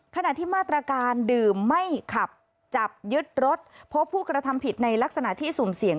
ขณะที่มาตรการดื่มไม่ขับจับยึดรถพบผู้กระทำผิดในลักษณะที่สุ่มเสี่ยง